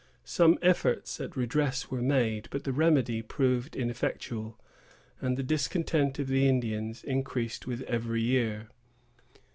Some efforts at redress were made; but the remedy proved ineffectual, and the discontent of the Indians increased with every year.